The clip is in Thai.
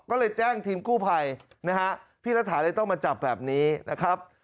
ก็เลยแจ้งทีมกู้ภัยนะฮะพี่รัฐาเลยต้องมาจับแบบนี้นะครับ